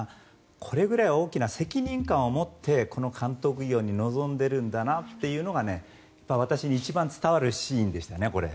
これぐらい大きな責任感を持ってこの監督業に臨んでいるんだなというのが私に一番伝わるシーンでしたね。